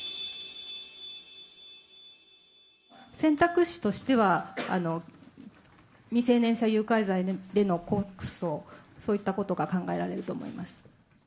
選択肢としては、未成年者誘拐罪での告訴、そういったことが考えられると思います。